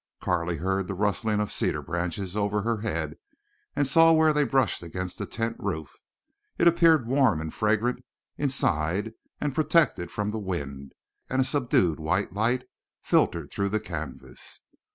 Carley heard the rustling of cedar branches over her head, and saw where they brushed against the tent roof. It appeared warm and fragrant inside, and protected from the wind, and a subdued white light filtered through the canvas.